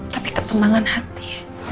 tapi ketenangan hati